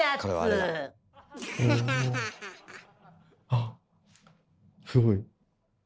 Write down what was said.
あすごい。